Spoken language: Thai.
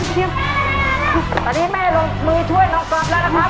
ที่ตอนนี้แม่ลงมือช่วยน้องก๊อฟแล้วนะครับ